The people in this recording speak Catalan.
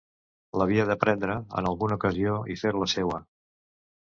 L'havia de prendre, en alguna ocasió, i fer-la seua.